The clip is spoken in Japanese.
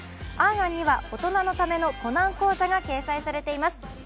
「ａｎ・ａｎ」には大人のためのコナン講座が掲載されています。